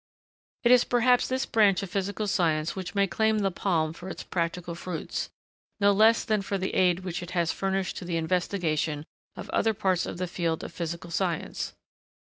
It is perhaps this branch of physical science which may claim the palm for its practical fruits, no less than for the aid which it has furnished to the investigation of other parts of the field of physical science.